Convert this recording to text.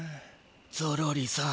ゾロリさん。